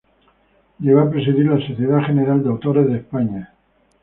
Llegó a presidir la Sociedad General de Autores de España.